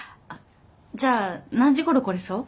じゃあ何時頃来れそう？